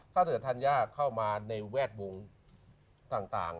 ก็เถิดทรัศน์ยากเข้ามาในแวทวงข์ต่าง